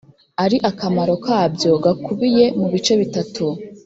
ariko akamaro kabyo gakubiye mu bice bitatu